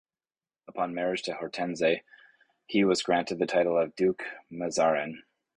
Upon marriage to Hortense, he was granted the title of "duc Mazarin".